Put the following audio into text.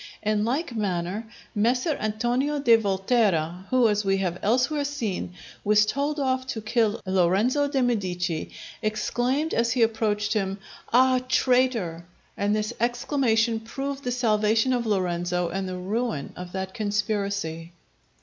In like manner Messer Antonio of Volterra, who as we have elsewhere seen was told off to kill Lorenzo de' Medici, exclaimed as he approached him, "Ah traitor!" and this exclamation proved the salvation of Lorenzo and the ruin of that conspiracy.